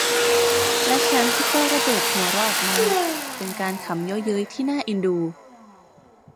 และฉันก็ระเบิดหัวเราะออกมา เป็นการขำเยาะเย้ยที่น่าเอ็นดู